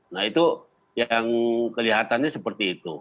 nah itu yang kelihatannya seperti itu